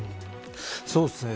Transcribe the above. そうですね